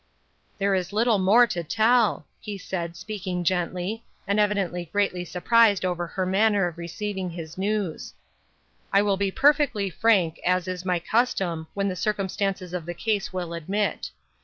"There is little more to tell, " he said, speaking gently, and evidently greatly surprised over her manner of receiving his news ;" I will be perfectly frank, as is my custom, when the circumstances of the case will admit.